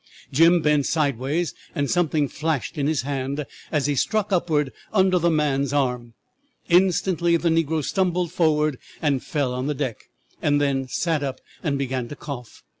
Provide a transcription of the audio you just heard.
Jim bent sideways, and something flashed in his hand, as he struck upwards under the man's arm. "'Instantly the negro stumbled forward, and fell on the deck, and then sat up and began to cough.